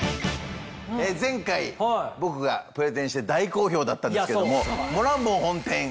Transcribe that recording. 前回僕がプレゼンして大好評だったんですけれども。